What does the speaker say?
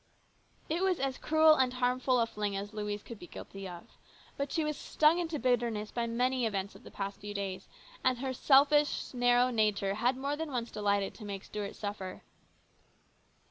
It was as cruel and harmful a fling as Louise could be guilty of. But she was stung into bitterness by many events of the past few days, and her selfish, narrow nature had more than once delighted to make Stuart suffer.